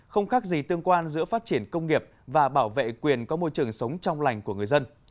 không khác gì tương quan giữa phát triển công nghiệp và bảo vệ quyền có môi trường sống trong lành của người dân